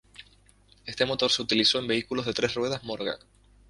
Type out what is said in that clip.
Este motor se utilizó en vehículos de tres ruedas Morgan.